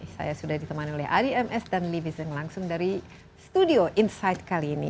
saya sudah ditemani oleh ari ms dan livi zeng langsung dari studio insight kali ini